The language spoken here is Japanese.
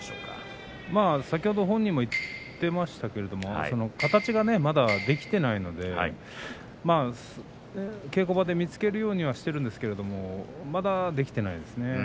先ほど本人も言っていましたが形がまだできていないので稽古場で見つけるようにはしているんですけれどもまだできていないですね。